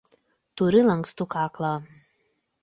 Turi lankstų kaklą.